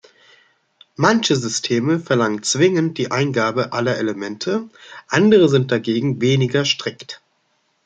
Manche Systeme verlangen zwingend die Eingabe aller Elemente, andere sind dagegen weniger strikt.